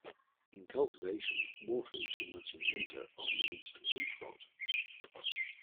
In cultivation, watering too much in winter often leads to root rot.